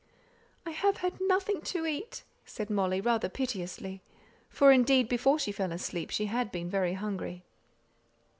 "I have had nothing to eat," said Molly, rather piteously; for, indeed, before she fell asleep she had been very hungry.